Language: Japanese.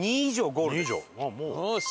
よし！